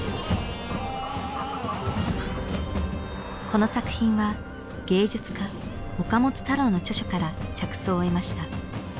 この作品は芸術家岡本太郎の著書から着想を得ました。